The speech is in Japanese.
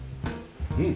うん。